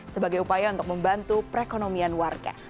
sebagai upaya untuk membantu perekonomian warga